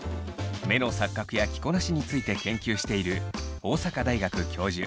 目の錯覚や着こなしについて研究している大阪大学教授